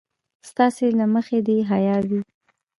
ستاسې له مخې د حيا وي.